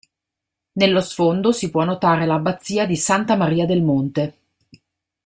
Nello sfondo si può notare l'Abbazia di Santa Maria del Monte.